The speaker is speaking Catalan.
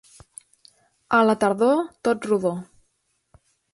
A la tardor, tot rodó.